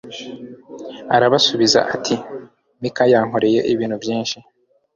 arabasubiza ati mika yankoreye ibintu byinshi